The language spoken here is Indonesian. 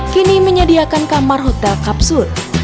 kini menyediakan kamar hotel kapsul